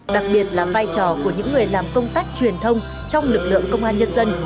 đặc biệt là vai trò của những người làm công tác truyền thông trong lực lượng công an nhân dân